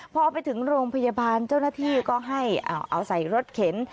พอไปถึงโรงพยาบาลเจ้าหน้าที่ก็ให้เอาใส่รถเข็น